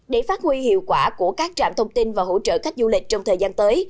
để phát huy hiệu quả của các trạm thông tin và hỗ trợ khách du lịch trong thời gian tới